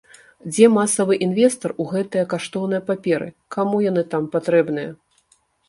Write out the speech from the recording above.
Дзе масавы інвестар у гэтыя каштоўныя паперы, каму яны там патрэбныя?